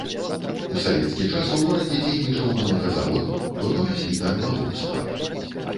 У савецкі час у горадзе дзейнічаў малаказавод, было развіта рыбалоўства.